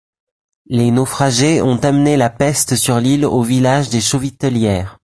Les naufragés ont amené la peste sur l'île au village des Chauvitelières.